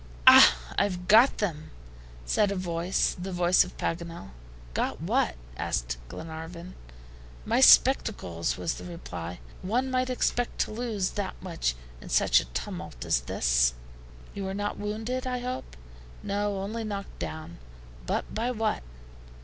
"Ah, I've got them," said a voice, the voice of Paganel. "Got what?" asked Glenarvan. "My spectacles," was the reply. "One might expect to lose that much in such a tumult as this." "You are not wounded, I hope?" "No, only knocked down; but by what?"